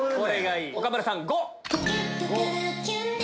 岡村さん「ご」。